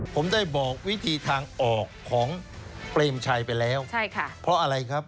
ผมได้บอกวิธีทางออกของเปรมชัยไปแล้วใช่ค่ะเพราะอะไรครับ